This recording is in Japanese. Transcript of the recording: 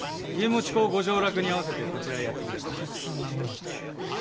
家茂公ご上洛に合わせてこちらへやって来ました。